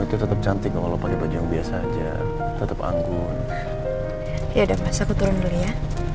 itu tetap cantik kalau pakai baju yang biasa aja tetap anggun ya dan masa aku turun dulu ya